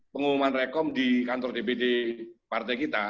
pengumuman rekom di kantor dpd partai kita